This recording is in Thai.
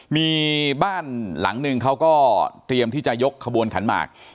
มีบ้านหลังนึงเขาก็เตรียมที่จะยกขบวนขันหมาก